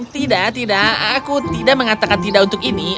tidak tidak aku tidak mengatakan tidak untuk ini